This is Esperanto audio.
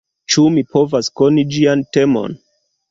Ĉu mi povas koni ĝian temon?